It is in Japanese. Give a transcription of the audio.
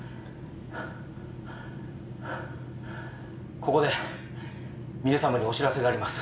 ここで皆さまにお知らせがあります。